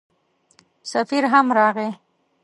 سفیر هم راغی.